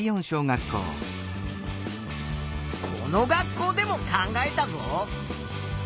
この学校でも考えたぞ。